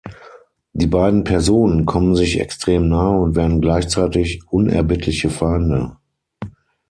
Die beiden Personen kommen sich extrem nahe und werden gleichzeitig unerbittliche Feinde.